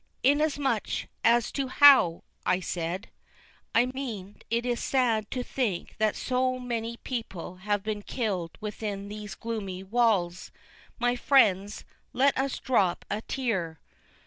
"Inasmuch as to how?" I said. "I mean it is sad to think that so many peple have been killed within these gloomy walls. My frens, let us drop a tear."